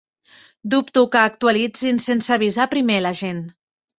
Dubto que actualitzin sense avisar primer la gent.